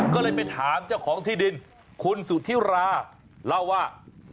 ก็เลยไปถามเจ้าของที่ดินคุณสุธิราเล่าว่า